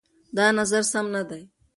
دا نظر سم نه دی.